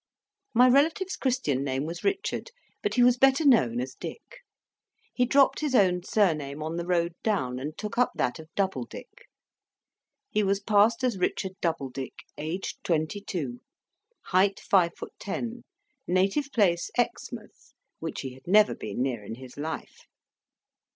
My relative's Christian name was Richard, but he was better known as Dick. He dropped his own surname on the road down, and took up that of Doubledick. He was passed as Richard Doubledick; age, twenty two; height, five foot ten; native place, Exmouth, which he had never been near in his life.